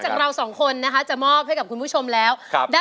ด้านล่างเขาก็มีความรักให้กันนั่งหน้าตาชื่นบานมากเลยนะคะ